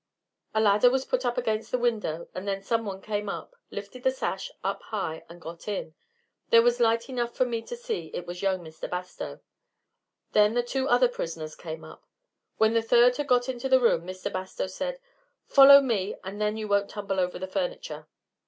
A ladder was put up against the window, and then someone came up, lifted the sash up high and got in. There was light enough for me to see it was young Mr. Bastow. Then the two other prisoners came up. When the third had got into the room Mr. Bastow said, 'Follow me, and then you won't tumble over the furniture.'"